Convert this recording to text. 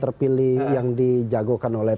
terpilih yang dijagokan oleh